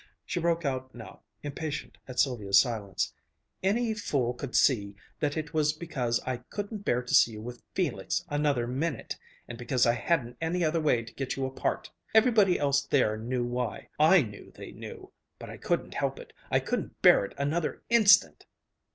She broke out now, impatient at Sylvia's silence: "Any fool could see that it was because I couldn't bear to see you with Felix another minute, and because I hadn't any other way to get you apart. Everybody else there knew why. I knew they knew. But I couldn't help it. I couldn't bear it another instant!"